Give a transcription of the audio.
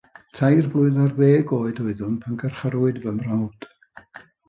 Tair blwydd ar ddeg oed oeddwn pan garcharwyd fy mrawd.